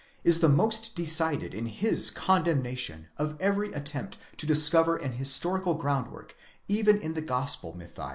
is the most decided in his. condemnation of every attempt to discover an historical groundwork even in the Gospel mythi.